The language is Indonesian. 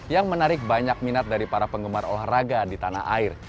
yang menarik banyak minat dari para penggemar olahraga di tanah air